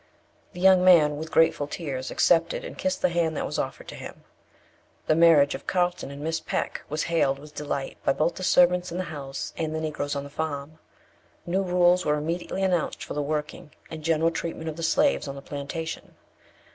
The young man, with grateful tears, accepted and kissed the hand that was offered to him. The marriage of Carlton and Miss Peck was hailed with delight by both the servants in the house and the Negroes on the farm. New rules were immediately announced for the working and general treatment of the slaves on the plantation.